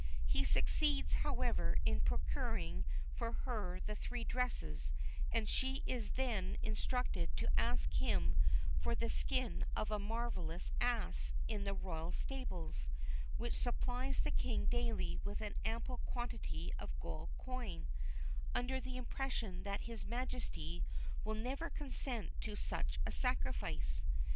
He succeeds, however, in procuring for her the three dresses; and she is then instructed to ask him for the skin of a marvellous ass in the royal stables, which supplies the King daily with an ample quantity of gold coin, under the impression that his Majesty will never consent to such a sacrifice.